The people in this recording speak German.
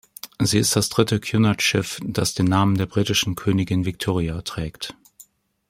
Sie ist das dritte Cunard-Schiff, das den Namen der britischen Königin Victoria trägt.